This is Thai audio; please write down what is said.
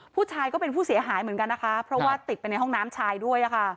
ผู้ชายก็เป็นผู้เสียหายเหมือนกันนะคะเพราะว่าติดไปในห้องน้ำชายด้วยค่ะ